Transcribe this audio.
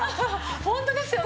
ホントですよね。